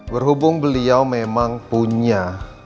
berhubung beliau memang punya